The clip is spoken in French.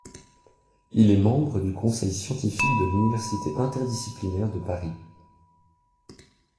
Il est membre du conseil scientifique de l'université interdisciplinaire de Paris.